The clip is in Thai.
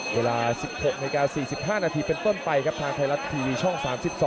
เวลา๑๖นาฬิกา๔๕นาทีเป็นต้นไปครับทางไทยรัฐทีวีช่อง๓๒